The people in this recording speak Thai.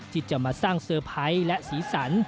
ที่จะมาสร้างเซอร์ไพรส์และสีสัน